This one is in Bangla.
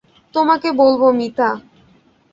তোমাকে বলব মিতা।